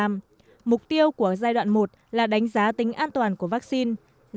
mục tiêu của giai đoạn một là đánh giá tính an toàn của vaccine